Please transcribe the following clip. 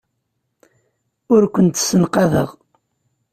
Ur kent-ssenqadeɣ.